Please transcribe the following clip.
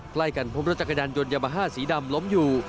ใกล้กันพบรถจักรยานยนต์ยามาฮ่าสีดำล้มอยู่